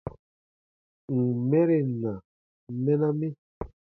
Ǹ n mɛren na, mɛna mi.